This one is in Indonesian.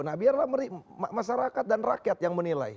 nah biarlah masyarakat dan rakyat yang menilai